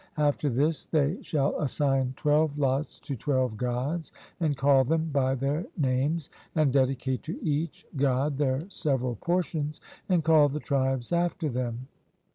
After this they shall assign twelve lots to twelve Gods, and call them by their names, and dedicate to each God their several portions, and call the tribes after them.